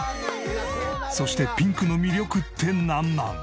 そしてピンクの魅力ってなんなん？